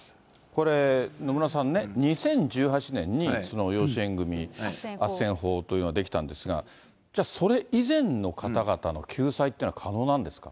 これ、野村さんね、２０１８年に養子縁組あっせん法というのが出来たんですが、じゃあ、それ以前の方々の救済っていうのは可能なんですか。